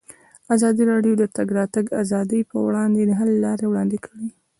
ازادي راډیو د د تګ راتګ ازادي پر وړاندې د حل لارې وړاندې کړي.